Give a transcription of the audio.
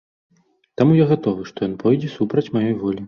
Таму я гатовы, што ён пойдзе супраць маёй волі.